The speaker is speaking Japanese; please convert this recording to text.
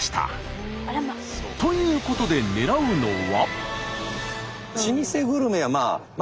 ということで狙うのは。